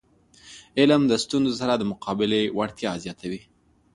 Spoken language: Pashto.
علم د ستونزو سره د مقابلي وړتیا زیاتوي.